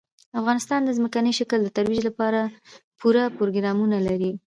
افغانستان د ځمکني شکل د ترویج لپاره پوره پروګرامونه لري.